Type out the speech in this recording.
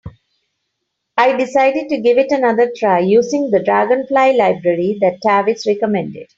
I decided to give it another try, using the Dragonfly library that Tavis recommended.